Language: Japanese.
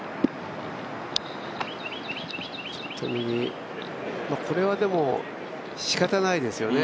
ちょっと右でもこれはしかたないですよね。